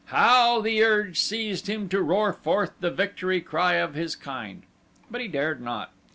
How the urge seized him to roar forth the victory cry of his kind! But he dared not.